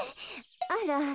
あら。